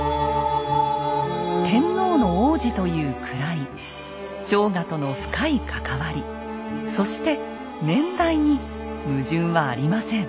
天皇の皇子という位朝賀との深い関わりそして年代に矛盾はありません。